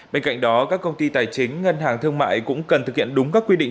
bên cạnh đó các công ty tài chính ngân hàng thương mại cũng cần thực hiện đúng các quy định